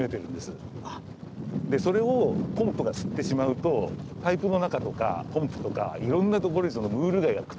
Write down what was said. でそれをポンプが吸ってしまうとパイプの中とかポンプとかいろんなところにムール貝がくっついてっちゃって。